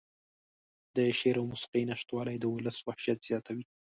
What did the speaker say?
د شعر او موسيقۍ نشتوالى د اولس وحشت زياتوي.